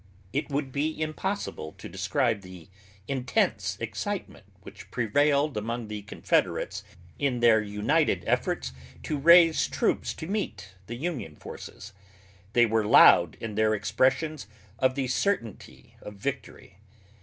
It would be impossible to describe the intense excitement which prevailed among the Confederates in their united efforts to raise troops to meet the Union forces. They were loud in their expressions of the certainty of victory.